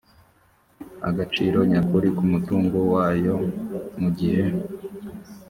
agaciro nyakuri k umutungo wayo mu gihe